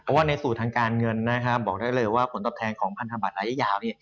เพราะว่าในสูตรทางการเงินบอกได้เลยว่าผลตอบแทนของพันธบัตรระยะยาว